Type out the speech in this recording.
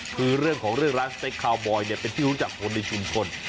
คือเรื่องของร้านสเต็กคาวบอยด์เป็นที่รู้จักคนในชุมคน